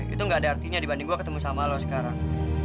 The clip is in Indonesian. itu gak ada artinya dibanding gue ketemu sama lo sekarang